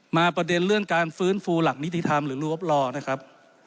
ประเด็นเรื่องการฟื้นฟูหลักนิติธรรมหรือรวบรอนะครับ